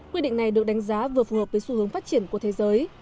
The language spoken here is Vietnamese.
quy định này được đánh giá vừa phù hợp với xu hướng phát triển của thế giới